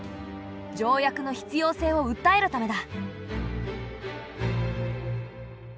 条約の必要性をうったえるためだ。